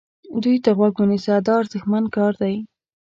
دوی ته غوږ ونیسه دا ارزښتمن کار دی.